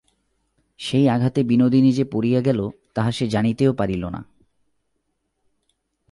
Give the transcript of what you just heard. সেই আঘাতে বিনোদিনী যে পড়িয়া গেল তাহা সে জানিতেও পারিল না।